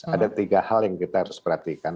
ada tiga hal yang kita harus perhatikan